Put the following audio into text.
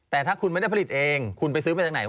แต่ถ้าคุณไม่ได้ผลิตเองคุณไปซื้อมาจากไหน